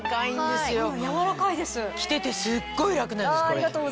着ててすっごい楽なんですこれ。